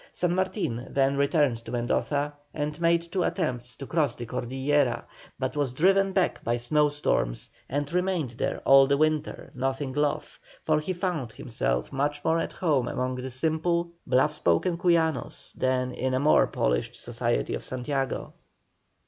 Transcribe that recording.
San Martin then returned to Mendoza and made two attempts to cross the Cordillera, but was driven back by snowstorms, and remained there all the winter, nothing loth, for he found himself much more at home among the simple, bluff spoken Cuyanos than in the more polished society of Santiago.